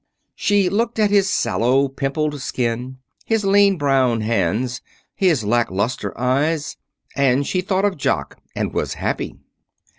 She looked at his sallow, pimpled skin, his lean, brown hands, his lack luster eyes, and she thought of Jock and was happy.